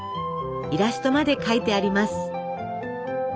イラストまで描いてあります。